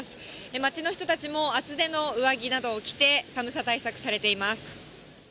街の人たちも厚手の上着などを着て、寒さ対策されています。